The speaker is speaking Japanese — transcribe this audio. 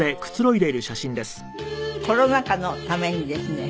これはあのコロナ禍のためにですね